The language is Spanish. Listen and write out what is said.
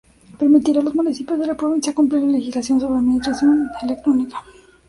Permitirá a los municipios de la provincia cumplir la legislación sobre administración electrónica.